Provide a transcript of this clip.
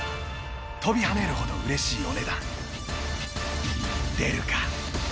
飛び跳ねるほど嬉しいお値段出るか！？